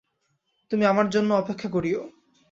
তুমি আমার জন্য অপেক্ষা করিয়ো।